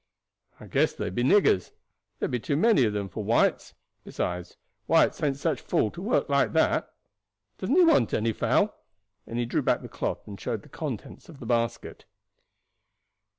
"I guess they be niggers. There be too many of them for whites; besides whites ain't such fools to work like that. Doesn't ye want any fowl?" and he drew back the cloth and showed the contents of the basket.